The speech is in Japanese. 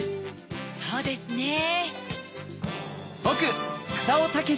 そうですねぇ。